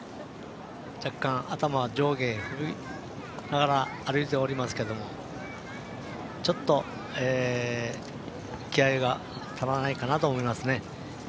若干、頭を上下に振るいながら歩いておりますけどもちょっと気合いが足らないかなと思いますね。